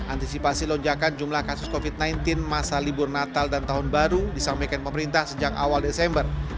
antisipasi lonjakan jumlah kasus covid sembilan belas masa libur natal dan tahun baru disampaikan pemerintah sejak awal desember